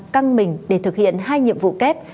căng mình để thực hiện hai nhiệm vụ kép